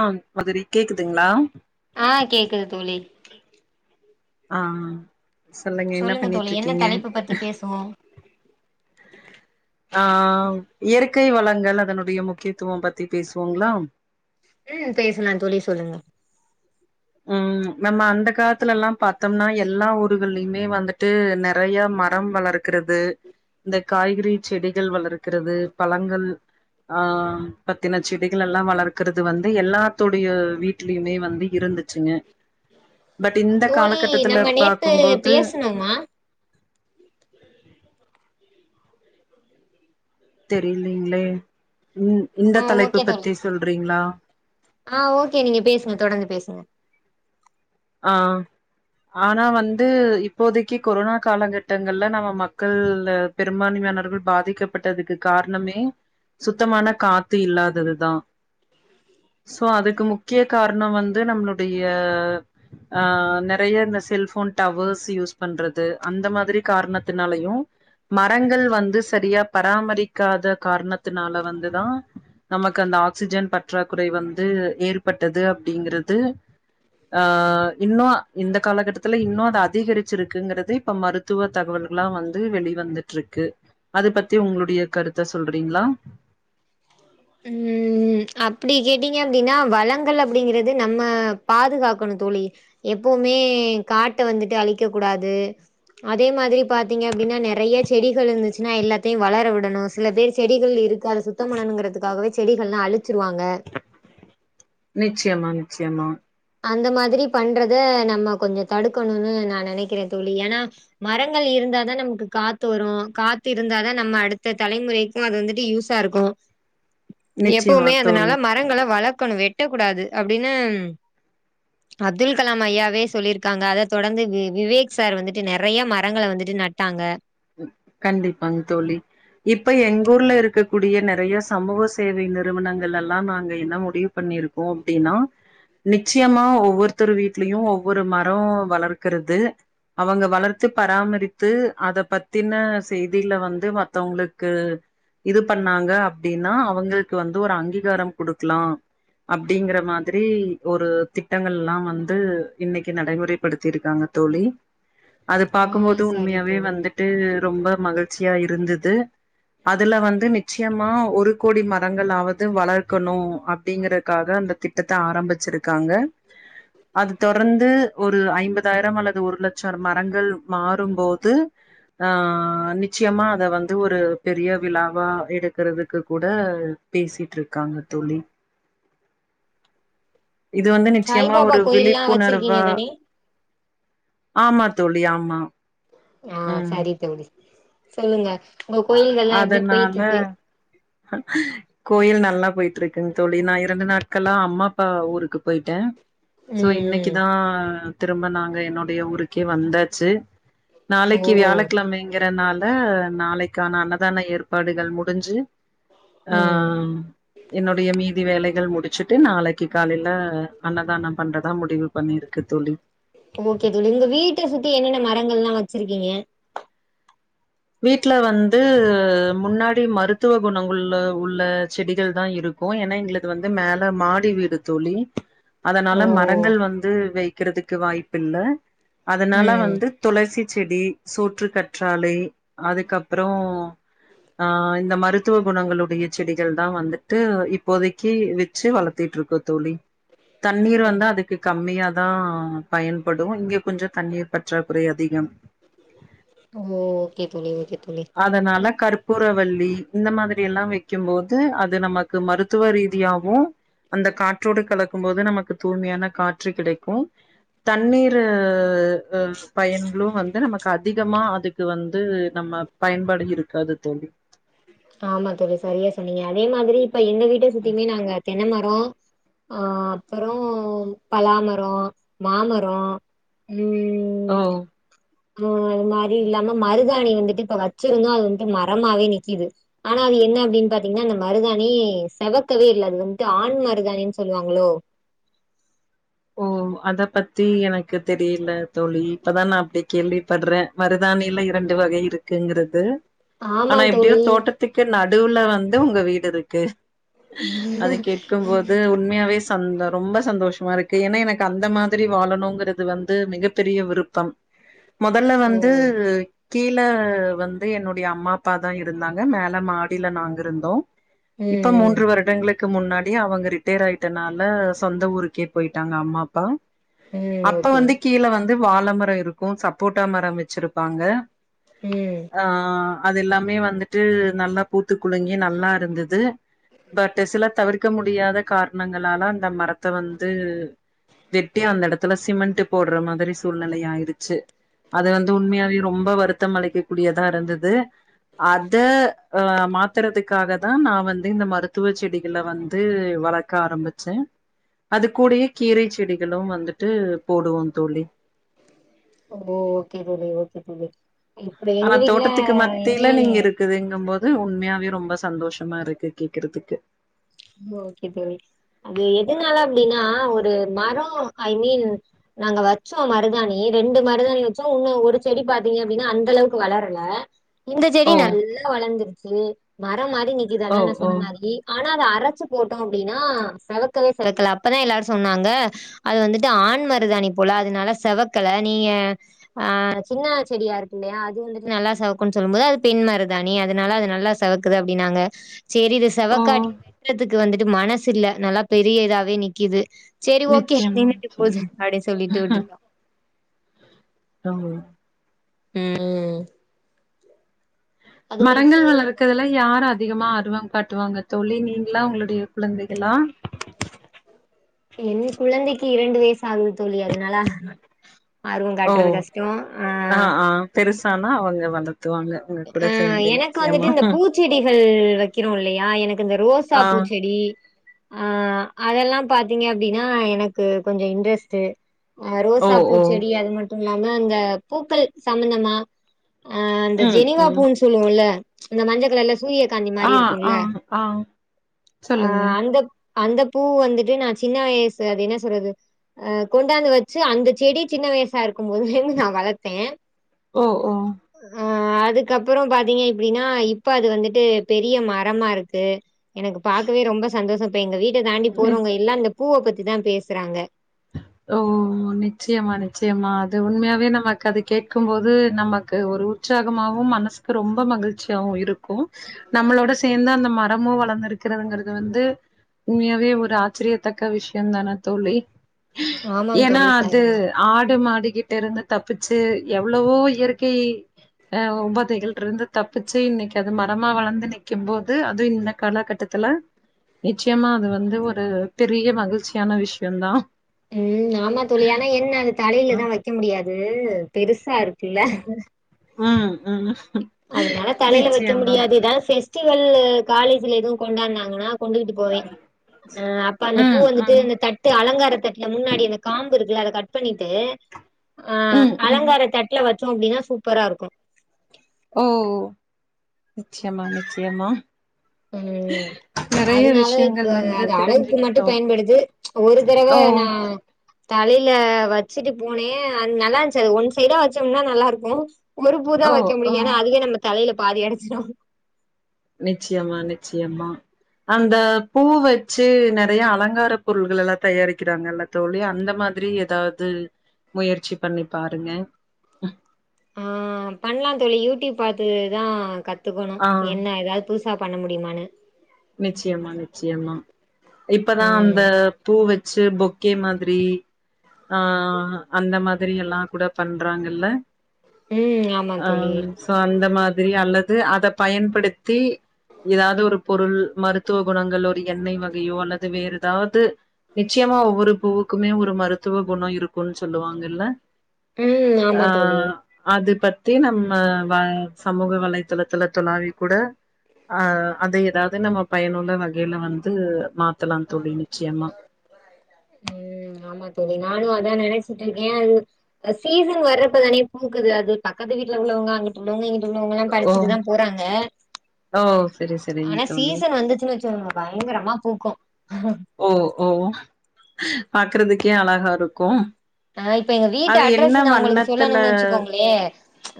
ஆ மதுரி கேக்குதுங்ளா ஆ கேக்குது தோலி அ சொல்லுங்க என்ன தோழி என்ன பண்ணிட்ருக்கீங்க தலைப்பு பத்தி பேசுவோ ஆ இயற்கை வளங்கள் அதனுடைய முக்கியத்துவ பத்தி பேசுவோங்ளா ம் பேசலா தோழி சொல்லுங்க ம் நம்ம அந்த காலத்துலலா பாத்தோம்னா எல்லா ஊர்கள்லயுமே வந்துட்டு நறைய மரம் வளர்குறது இந்த காய்கறி செடிகள் வளர்குறது பழங்கள் ஆ பத்தின செடிகள் எல்லா வளர்குறது வந்து எல்லாத்துடைய வீட்லயுமே வந்து இருந்து ச்சுங்க தோழீ நம்ம நேத்து பேசணோமா தெர்லிங்ளே ஆ ஓகே தோழி ஆ ஓகே நீங்க பேசுங்க தொடந்து பேசுங்க ஆ ஆனா வந்து இப்போதைக்கு கொரோனா காலகட்டங்கள்ல நம்ம மக்கள் பெரும்பான்மையானர்கள் பாதிக்கப்பட்டதுக்கு கார்ணமே சுத்தமான காத்து இல்லாததுதா சோ அதுக்கு முக்கிய கார்ணொ வந்து நம்ளுடைய ஆ நறைய இந்த செல்போன் டவர்ஸ் யூஸ் பண்றது அந்த மாதிரி காரணத்தினாலயு மரங்கள் வந்து சரியா பராமரிக்காத காரணத்தினால வந்துதா நமக்கு அந்த ஆக்சிஜன் பற்றாக்குறை வந்து ஏற்பட்டது அப்டிங்கறது ஆ இன்னு இந்த காலகட்டத்துல இன்னு அத அதிகரிச்சுருக்குங்கறது இப்ப மருத்துவ தகவல்களா வந்து வெளிவந்துட்ருக்கு அது பத்தி உங்ளுடைய கருத்த சொல்றீங்ளா ம் அப்டி கேட்டீங்க அப்டின்னா வளங்கலப் அப்டிங்கறது நம்ம பாதுகாக்கணு தோழி எப்பவுமே காட்ட வந்துட்டு அழிக்க கூடாது அதே மாதிரி பாத்தீங்க அப்டின்னா நெறைய செடிகள் இருந்துச்சுன்னா எல்லாத்தயு வளர விடணு சில பேர் செடிகள் இருக்கு அத சுத்தொ பண்ணனுங்கறதுக் காகவே செடிகள்லா அழு நிச்சியமா நிச் சியமா அந்த மாதிரி பண்றத நம்ம கொஞ்சொ தடுக்கணூனு நா நனைக்குறே தோழி ஏனா மரங்கள் இருந்தாதா நமக்கு காத்து வரும் காத்து இருந்தாதா நம்ம அடுத்த தலைமுறைக்கும் அது வந்துட்டு யூஸா இருக்கும் நிச்சயமா எப்பவுமே அதனால தோழி மரங்கள வளக்கணு வெட் ட கூடாது அப்டின்னு அப்துல் கலாம் ஐயாவே சொல்லிருக்காங்க அத தொடந்து வி விவேக் சார் வந்துட்டு நறைய மரங்கள வந்துட்டு நட்டாங்க அ கண்டிப்பாங் தோழி இப்ப எங் ஊர்ல இருக்கக்கூடிய நறைய சமூக சேவை நிறுவனங்கள்லெல்லா நாங்க என்ன முடிவு பண்ணிருக்கோ அப்டினா நிச்சியமா ஒவ்வொருத்தர் வீட்லயும் ஒவ்வொரு மரோ வளர்க்கறது அவங்க வளர்த்து பராமரித்து அத பத் தின்ன செய்திகள வந்து மத்தவ்ங்ளுக்கு இது பண்ணாங்க அப்டின்னா அவங்களுக்கு வந்து ஒரு அங்கீகாரம் குடுக்கலா அப்டிங்குற மாதிரி ஒரு திட்டங்கள்லா வந்து இன்னைக்கி நடைமுறைப்படுத்திருக்காங்க தோழி அது ஆ பாக்கும் போது சரி உண்மையாவே தோழி. வந்துட் டு ரொம்ப மகிழ்ச்சியா இருந்தது அதுல வந்து நி ச்சியமா ஒரு கோடி மரங்களாவது வளர்க்கணு அப்டிங்கறக்காக அந்த திட்டத்த ஆரம்பிச்சுருக்காங்க அது தொடர்ந்து ஒரு ஐம்பதாயிரம் அல்லது ஒரு லட்ச மரங்கள் மாறும்போது ஆ நிச்சியமா அத வந்து ஒரு பெரிய விழாவா எடுக்குறதுக்கு கூட பேசிட்ருக்காங்க தோழி இது வந்து நிச்சியமா சாய்பாபா ஒரு கோயில்லாம் வச்சிருக்கீங்க விழிப்புணர்வா தானே? ஆமா தோழி ஆமா ஆ ம். சரி தோழி சொல்லுங்க உங்க கோயில்கள்லாம் எப்டி அதனால போயிட்ருக்கு? கோயில் நல்லா போயிட்டு இருக்குங்க தோழி நான் இரண்டு நாட்கள்ல்லாம் அம்மா அப்பா ஊருக்கு போயிட்டேன் சோ ம் ம். இன்னைக்குதான் திரும்ப நாங்க என்னுடைய ஊருக்கே வந்தாச்சு நாளைக்கு ஓ! வியாழக்கிழமைங்க இதனால நாளைக் க்கான அன்னதான ஏற்பாடுகள் முடிஞ்சு ம். ஆஹ் என்னோடய மீதி வேலை கள் முடிச்சுட்டு நாளைக்கு காலையில அன்னதானம் பண்றதா முடிவு பண்ணிருக்கு தோழி ஓகே தோழி உங்க வீட்ட சுத்தி என்னென்ன மரங்கள்ல்லா வச்சிருக்கீங்க வீட்ல வந்து முன்னாடி மருத்துவ குணங்குள்ல உள்ள செடிகள்தா இருக்கு ஏன்னா எங்கள்க்கு வந்து மேல மாடி வீடு தோழி அதனால ஓ மரங்கள் வந்து வெய் வக்கிறதுக்கு வாய்ப்பில்ல அதனால ம் வந்து துளசி செடி சோற்று கற்றாழை அதுக்கப்பறொ அஹ் இந்த மருத்துவ குணங்களுடைய செடிகள்தா வந்துட்டு இப்போதைக்கு வச்சு வளர்த்துட்டு இருக்கோ தோழி தண்ணீர் ஓ வந்து அதுக்கு கம்மியாதா பயன்படு இங்க கொஞ்சொ தண்ணீர் பற்றாக்குறை அதிகம் குவோ அதனால கற்பூரவல் ல்லி இந்த மாதிரில்லா வைக்கும் போது அது நமக்கு மருத்துவ ரீதியாவு அந்த காற்றோடு கலக்கும் போது நமக்கு தூய்மையான காற்று கிடைக்கு தண்ணீர் ஹ பயன்களும் வந்து நமக்கு அதிகமா அதுக்கு வந்து நம்ம பயன்பாடு இருக்காது தோழி ஆமா தோழி சரியா சொன்னீங்க அதே மாதிரி இப்ப எங்க வீட்டை சுத்தியுமே நாங்க தென்ன மரொ ஆ அப்பறொ பலாமரொ மாமரொ ஓ உம் [unintelligible] மாரி இல்லாம மரு மருதாணி வந்துட்டு இப்ப வச்சிருந்தோ அது வந்துட்டு மரமாவே நிக்கிது ஆனா அது என்ன அப்படின்னு பாத்தீங்கன்னா அந்த மருதாணி செவக்கவே இல்ல அது வந்துட்டு ஆண் மருதாணின் சொல்லுவாங்களோ ஓ அத பத்தி எனக்கு தெரியல தோழி இப்பதா நா அப்டி கேள்விபடுறே மருதாணியில இரண்டு வகை இருக்குங்கிறது ஆமா ஆனா எப்படியோ தோழி தோட்டத்துக்கு நடுவுல வந் வந்து உங்க வீடுருக்கு அத கேட்கும்போது உண்மையாவே சந்த ரொம்ப சந்தோஷமா இருக் ஏனா எனக்கு அந்த மாதிரி வாழணுங்கிறது வந்து மிகப்பெரிய விருப்பம் மொதல்ல ஓ வந்து கீழ வந்து என்னுடைய அம்மா அப்பாதா இருந்தாங்க மேல மாடியில நாங்க இருந்தோ இப்ப ம் மூன்று வருடங்களுக்கு முன்னாட் டி அவங்க ரிட்டையர் ஆயிட்டனால சொந்த ஊருக்கே போயிட்டாங்க அம்மா அப்பா ம் ம் அப்ப ஓகே வந்து கீழ வந் து வாழ மரோ இருக்கு சப்போட்டா மரம் வச்சிருப்பாங்க ம் ஆ ஆ அது எல்லாமே வந்துட்டு நல்லா பூத்து குலங்கி நல்லா இருந்துது பட் சில தவிர்க்க முடியாத கார்ணங்களால அந்த மரத்த வந் து வெட்டி அந்த எடத்துல சிமெண்ட்டு போடுற மாதிரி சூழ்நிலை ஆயிருச்சு அது வந்து உண்மையாவே ரொம்ப வருத்தம் அளிக்கக் கூடியதா இருந்தது அத ஆ மாத்துறதுக்காக தான் நா வந்து இந்த மருத்துவ செடிகளை வந்து வளக்க ஆரம்பிச்சேன் அது கூடையே கீரை செடிகளும் வந்துட்டு போடுவோம் தோழி ஓ ஓக்கே தோழி ஓக்கே தோழி இப்ப ஆனா எங்க வீட்ல தோட்டத்துக்கு இனி மத்தியில நீங்க இருக்குதுங்கும் போது உண்மையாவே ரொம்ப சந்தோஷமா இருக்கு கேக்குறதுக்கு ஓக்கே தோழி அது எதுனால அப்டின்னா ஒரு மரோ ஐ மீன் நாங்க வச்சோ மருதாணி ரெண்டு மருதாணி வச்சோ இன்னு ஒரு செடி பாத்தீங்க அப்டின்னா அந்த அளவுக்கு வளரல இந்த செடி ஓ நல்லா வளந்துரு ச்சு ம ரம் மாரி நிக்குது ஓ அதான் நா ஓ சொன்ன மாரி ஆனா அரச்சு போட்டோம் அப்டின்னா செவக்கவே செவக்கல அப்பதான் எல்லாரு சொன்னாங்க அது வந்துட்டு ஆண் மருதாணி போல அதுனால செவக்கல நீங்க ஆ சின்ன செடியா இருக்கு இல்லயா அது வந்துட்டு நல்லா செவக்கு சொல்லும் போது அது பெண் மருதாணி அதனால அது நல்லா செவக்குது அப்டின்னாங்க சேரி இது ஓ செவக்காடியும் வெ ட்றத்துக்கு வந்துட்டு மனசில்ல நல்லா பெரிய இதாவே நிக்குது சேரி ஓக்கே நிச்சயமா நின்னுட்டு போது நிச்சயமா அப்டினு சொல்லிட்டு விட்டுட்டோ [unintelligible] உம் மரங்கள் வளர்க்றல யார் அ அதிகமா ஆருவம் காட்டுவாங்க தோழி நீங்களா உங்களுடைய குழந்தைகளா என் குழந்தைக்கு இரண்டு வயசு ஆகுது தோழி அதுனால ஆர்வம் ஓ காட்டுறது கஷ்டோ ஆ ஆனா அவுங்க வந்து த்துவாங்க உங்க கூட சேந்து நிச்சயமா து வக்கிறோம் இல்லயா எனக் இந்த ரோசா ஆ பூச்செடி ஆ அதெல்லா பாத்தீங்க அப்டின்னா எனக்கு கொஞ்சோ இன்ட்ரெஸ்ட் ஆ ஓ ரோசா ஓ பூச்செடி அதுமட் இல்லாம இந்த பூக்கள் சம்பந்தமா அ ம் ஜெனிவா ம் பூன்னு சொல்லுவோல இந்த மஞ்சக்கலர்ல சூரியகாந்தி மாரி ஆ இருக்கும்ல ஆ ஆ சொல்லுங்க ஆஹ் அந்த அந்த பூ வந்துட்டு நான் சின்ன வயசு அது என்ன சொல்றது அஹ் கொண்டாந்து வச்சு அந்த செடி சின்ன வயசா இருக்கும் போது இருந்த நான் வளத்தேன் ஓ ஓ ஹ அதுக்கப்புறம் பாத்தீங்க எப்படின்னா இப்ப அது வந்துட்டு பெரிய மரமா இருக்கு எனக்கு பாக்கவே ரொம்ப சந்தோஷம் இப்ப எங்க வீட்ட தாண்டி நி போறவங்க எல்லா அந்த பூவ பத்தி தா பேசுறாங்க ஓ நிச்சயமா நிச்சயமா அது உண்மையாவே நமக்கு அது கேட்கும் போது நமக்கு ஒரு உற்சாகமாகவும் மனசுக்கு ரொம்ப மகிழ்ச்சியாவும் இருக்கும் நம்மளோட சேர்ந்து அந்த மரமும் வளர்ந்திருக்கிறதுங்கிறது வந்து உண்மையாவே ஒரு ஆச்சரியத்தக்க விஷயம் தானே தோழி ஆமாம் ஏன்னா தோழி. அது சரிதான். ஆடு மாடிக்கிட்ட இருந்து தப்புச் ச்சு எவ்வளவோ இயற்கை அஹ் உபதைகள் இருந்து தப்பிச்சு இன்னைக்கு அது மரமா வளந்து நிக்கும் போது அதுவு இந்த காலகட்டத்துல நிச்சயமா அது வந்து ஒரு பெரிய மகிழ்ச்சியான விஷயம் தா உம் ஆமா தோழி ஆனா என்ன அது தலையிலதா ம் வைக்க முடியாது. உம் பெரு சா இருக்குல்ல [unintelligible] அதனால தலையில வைக்க நிச்சயமா முடியாதுதா செ ஃபெஸ்டிவல் காலேஜ்ல எதுவும் கொண்டாடுனாங்கன்னா கொண்டுகிட்டு போவே அ அப்ப அந்த பூ ம் வந்துட்டு ம் அந்த தட்டு அலங்கார தட்டுல முன்னாடி அந்த காம்பு இருக்குல்ல அத கட் பண்ணிட்டு ஆஹ் ம் ம் அலங்கார தட்ல வ ச்சோம் அப்படின்னா சூப்பரா இருக்கும் ஓ நிச்சயமா நிச்சயமா உம் நெறைய அதனால இப்ப விஷயங்கள் வந்து அது அழகுக்கு மட்டும் தெரிஞ்சுக்கிட்டோ பயன்படுது ஒரு தடவ ஓ நா தலை ல்ல வச்சுட்டு போனேன் நல்லா இருந்துச்சு அது ஒன் சைடா வச்சோம்னா நல்லா இருக்கும் ஒரு பூ தா ஓ வைக்க முடியும் ஓ என்ன அதுவே நம்ம தலைய பாதி அடைச்சிடு நிச்சயமா நிச்சயமா அந்த பூ வச்சு நிறைய அலங்கார பொருள்கள் எல்லாம் தயாரிக்கிறாங்கல்ல தோழி அந்த மாதிரி ஏதாவது முயற்சி பண்ணி பாருங்க ஆஹ் பண்ணலாம் தோழி யூடியூப் பார்த்ததா கத்துக்கணும் ஆ என்ன ஏதாவது புதுசு பண்ண முடியுமான்னு நிச்சயமா நிச்சயமா இப்பதா அந்த ம் பூ வச்ச பொக்கே மாதிரி ஆஹ் அந்த மாதிரி எல்லாம் கூட பண்றாங்கல்ல ம் ஆமா தோழி ஆஹ் சோ அந்த மாதிரி அல்ல அது அத பயன்படுத்தி ஏதாவது ஒரு பொருள் மருத்துவ குணங்கள் ஒரு எண்ணெய் வகையோ அல்லது வேற ஏதாவது நிச்சயமா ஒவ்வொரு பூவுக்குமே ஒரு மருத்துவ குணம் இருக்கும்ன்னு சொல்லுவாங்கல்ல உம் ஆமா தோழி தி நம்ம சமூக வலைதளத்துல தொழாவி கூட ஆஹ் அதைய அதாவது நம்ம பயனுள்ள வகையில வந்து மாத் தலம் தோழி நிச்சயமா ம் ஆமா தோழி நானு அதா‌ நெனச்சிட்டுருக்கே அது சீசன் வரப்பதானே பூக்குது அது பக்கத்து வீட்டுல உள்ளவங்க அங்குட்டு உள்ளவங்க இங் டு உள்ளவங்கலா ஓ பறிச்சுட்டு தா போறாங்க ஓ சரி சரிங்க ஆனா தோழி சீசன் வந்துச்சின்னு வச்சுகோங்க பயங்கரமா பூக்கு ஓ ஓ பாக்கறதுக்கே அலகாருக்கு அ இப்ப எங்க வீட்டு அட்ரஸ் நா உங்களுக்கு வண்ணத்துல சொல்லணுன் வெச்சுக்கோங்களே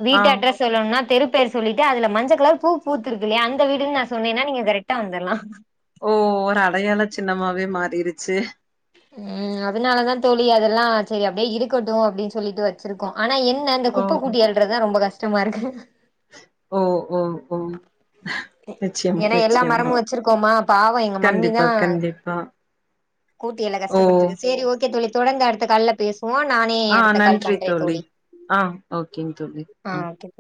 வீட்டு ஆ அட்ரஸ் சொல்லணுன்னா தெருப்பேர் சொல்லிட்டு அதுல மஞ்ச கலர் பூ பூத்துருக்கு இல்லையா அந்த வீடுன் நா சொன்னேனா நீங்க கரெக்டா வந்தர்லா ஓ ஒரு அடையாள சின்னமாவே மாறிருச்சி ம் அதனாலதா தோழி அதெல்லா செரி அப்டியே இருக்கட்டு அப்டின் சொல்லிட்டு வச்சிருக்கோ ஆனா என்ன இந்த ஓ குப்ப கூட்டி அள்றதுதா ரொம்ப கஷ் டமாருக்கு ஓ ஓ ஓ நிச்சயமா ஏனா எல்லா நிச்சயமா மரமு வச்சிருக்கோமா பாவோ எங்க கண்டிப்பா மம்மிதா கண்டிப்பா கூட்டி எல்லா ஓ கஷ்டப்பட்ருக்கு சரி ஓகே தோழி தொடர்ந்து அடுத்த கால்ல பேசு ஆ நன்றி தோழி ஆ ஓகேங் தோழி ஆ ம் ஓகே